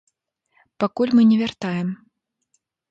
Пакуль мы не вяртаем.